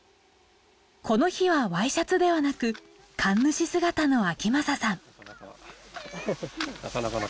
この日はＹシャツではなく神主姿の章匡さん。